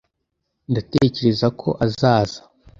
ndatekereza ko azaza